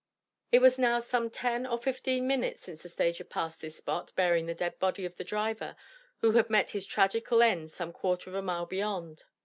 It was now some ten or fifteen minutes since the stage had passed this spot bearing the dead body of the driver who had met his tragical end some quarter of a mile beyond.